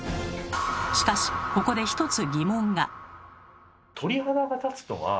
しかしここで一つ疑問が。